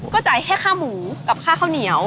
ก็จ่ายแค่ค่าหมูกับค่าข้าวเหนียว